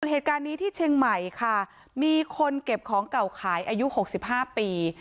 เหตุการณ์นี้ที่เชียงใหม่ค่ะมีคนเก็บของเก่าขายอายุ๖๕ปี